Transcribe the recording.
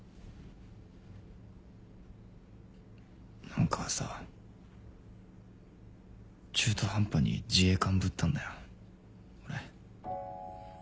何かさ中途半端に自衛官ぶったんだよ俺。